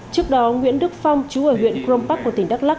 trước đó nguyễn đức phong chú ở huyện crompac của tỉnh đắk lắc